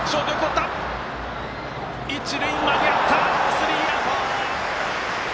スリーアウト。